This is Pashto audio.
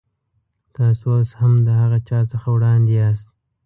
تاسو اوس هم د هغه چا څخه وړاندې یاست.